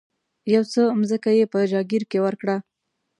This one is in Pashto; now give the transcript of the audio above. یو څه مځکه یې په جاګیر کې ورکړه.